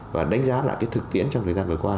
và đánh giá lại cái thực tiễn trong thời gian vừa qua